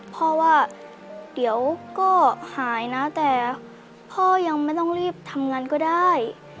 พ่อว่าเดี๋ยวก็หายนะแต่พ่อยังไม่ต้องรีบทำงานก็ได้